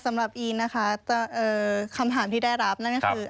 อีนนะคะคำถามที่ได้รับนั่นก็คือ